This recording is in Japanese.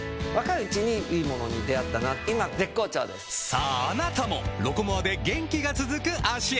さぁあなたも「ロコモア」で元気が続く脚へ！